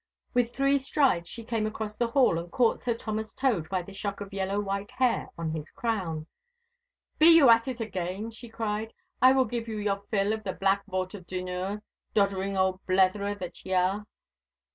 With three strides she came across the hall and caught Sir Thomas Tode by the shock of yellow white hair on his crown. 'Be you at it again?' she cried. 'I will give you your fill of the Black Vaut of Dunure, doddering old bletherer that ye are.